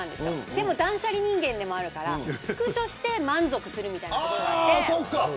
でも、断捨離人間でもあるからスクショして満足するみたいなところがあって。